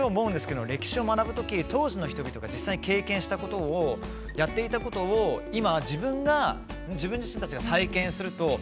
歴史を学ぶとき当時の人々が実際に経験したこと、やっていたことを今、自分たちが体験すると。